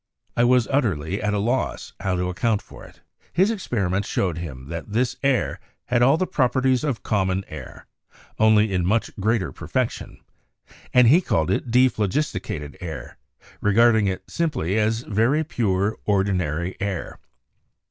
I was utterly at a loss how to account for it." His experiments showed him that this air "had all the properties of common air, only in much greater perfec tion"; and he called it "dephlogisticated air," regarding it simply as very pure ordinary air.